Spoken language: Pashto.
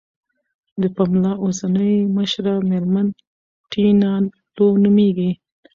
د پملا اوسنۍ مشره میرمن ټینا لو نوميږي.